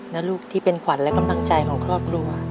ลูกที่เป็นขวัญและกำลังใจของครอบครัว